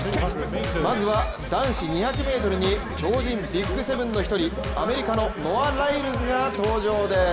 まずは男子２００ｍに超人ビッグセブンの一人アメリカのノア・ライルズが登場です。